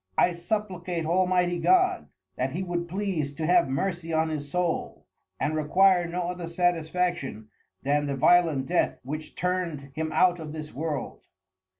I supplicate Almighty God, that he would please to have Mercy on his Soul, and require no other satisfaction than the violent Death, which turn'd him out of this World.